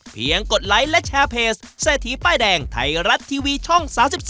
กดไลค์และแชร์เพจเศรษฐีป้ายแดงไทยรัฐทีวีช่อง๓๒